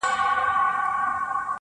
پيرې مريد دې يمه پيرې ستا پيري کومه_